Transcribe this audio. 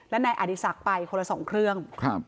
และนายอดีศักดิ์ไปคนละ๒เครื่อง